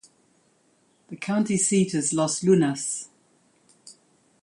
The county seat is Los Lunas.